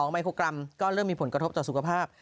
ไมโครกรัมก็เริ่มมีผลกระทบต่อสุขภาพ